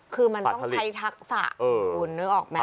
คือมันต้องใช้ทักษะคุณนึกออกไหม